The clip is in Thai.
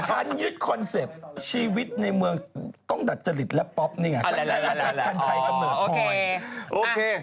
คันหยุดคอนเซ็ปต์ชีวิตในเมืองบ๊อกนี่ไงว่าการใช้กำเนิดคอย